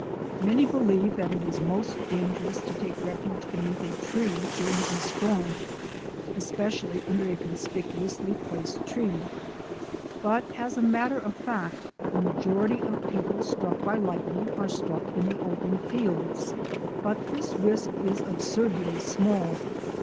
Many believe that it is most dangerous to take refuge beneath a tree during a storm, especially 126 THE ADVENTURES OF A NATURE GUIDE under a conspicuously placed tree, but as a matter of fact the majority of people struck by lightning are struck in the open fields. But this risk is ab surdly small.